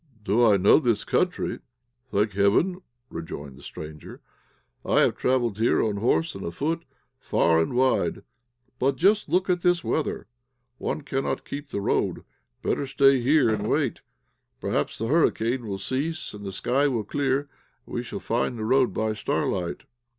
"Do I know this country? Thank heaven," rejoined the stranger, "I have travelled here, on horse and afoot, far and wide. But just look at this weather! One cannot keep the road. Better stay here and wait; perhaps the hurricane will cease and the sky will clear, and we shall find the road by starlight."